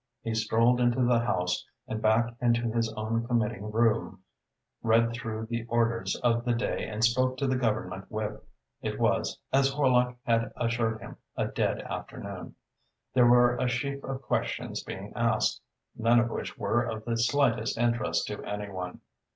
He strolled into the House and back into his own committee room, read through the orders of the day and spoke to the Government Whip. It was, as Horlock had assured him, a dead afternoon. There were a sheaf of questions being asked, none of which were of the slightest interest to any one.